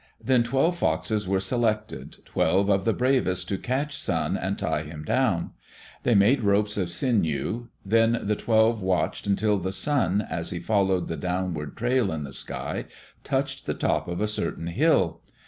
Then twelve Foxes were selected twelve of the bravest to catch Sun and tie him down. They made ropes of sinew; then the twelve watched until the Sun, as he followed the downward trail in the sky, touched the top of a certain hill.